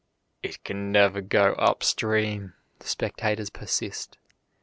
"It can never go up stream," the spectators persist.